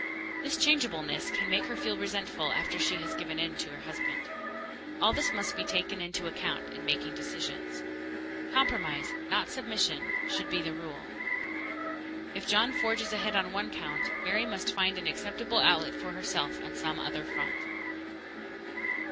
This changeableness can make her feel resentful after she has given in to her husband. All this must be taken into account in making decisions. Compromise, not submission, should be the rule. If John forges ahead on one count, Mary must find an acceptable outlet for herself on some other front.